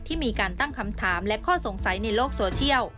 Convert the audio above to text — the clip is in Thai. ที่มีการตั้งคำถามและข้อสงสัยในโลกโซเชียล